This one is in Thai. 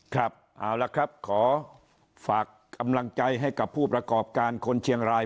ครับเอาละครับขอฝากกำลังใจให้กับผู้ประกอบการคนเชียงราย